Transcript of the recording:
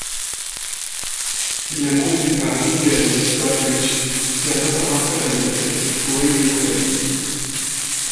Il est produit par Nigel Godrich, qui a notamment travaillé avec Radiohead.